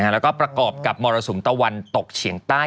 แล้วก็ประกอบกับมรสุมตะวันตกเฉียงใต้